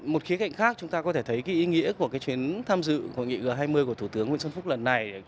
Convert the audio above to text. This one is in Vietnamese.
một khía cạnh khác chúng ta có thể thấy cái ý nghĩa của cái chuyến tham dự hội nghị g hai mươi của thủ tướng nguyễn xuân phúc lần này